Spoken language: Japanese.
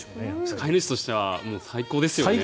飼い主としては最高でしょうね。